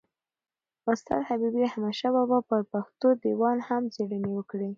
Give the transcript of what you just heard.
استاد حبیبي احمدشاه بابا پر پښتو دېوان هم څېړني وکړې.